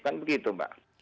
kan begitu mbak